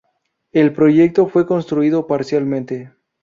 El proyecto fue construido parcialmente.